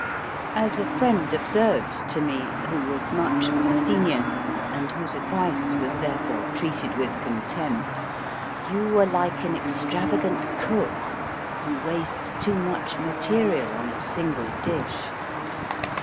As a friend observed to me, who was much my senior, and whose advice was therefore treated with contempt, You are like an extravagant cook, who wastes too much material on a single dish.